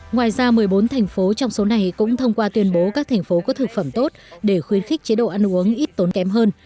ngoài ra một mươi bốn thành phố trong số này cũng thông qua tuyên bố các thành phố có thực phẩm tốt để khuyến khích chế độ ăn uống ít tốn kém hơn